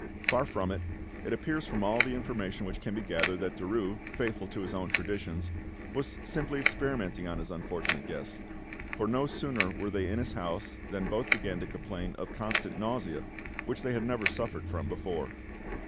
Far from it, it appears from all the information which can be gathered, that Derues, faithful to his own traditions, was simply experimenting on his unfortunate guests, for no sooner were they in his house than both began to complain of constant nausea, which they had never suffered from before.